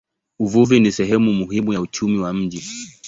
Uvuvi ni sehemu muhimu ya uchumi wa mji.